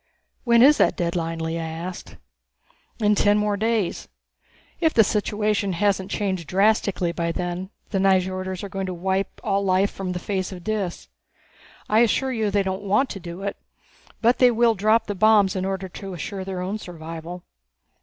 "When is that deadline?" Lea asked. "In ten more days. If the situation hasn't been changed drastically by then, the Nyjorders are going to wipe all life from the face of Dis. I assure you they don't want to do it. But they will drop the bombs in order to assure their own survival."